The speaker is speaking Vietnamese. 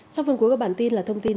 sau phần cuối các bản tin là thông tin